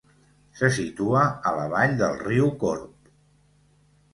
Se situa a la vall del riu Corb.